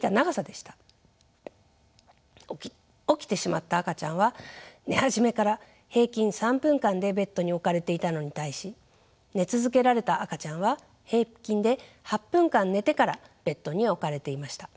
起きてしまった赤ちゃんは寝始めから平均３分間でベッドに置かれていたのに対し寝続けられた赤ちゃんは平均で８分間寝てからベッドに置かれていました。